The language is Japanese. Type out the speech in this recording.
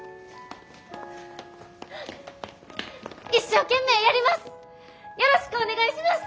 一生懸命やります！